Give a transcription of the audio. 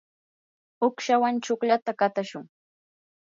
uqshawan chuklata qatashun.